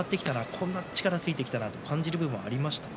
こんな力がついてきたなと感じる部分はありましたか。